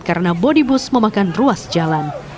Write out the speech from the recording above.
karena bodi bus memakan ruas jalan